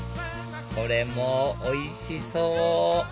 これもおいしそう！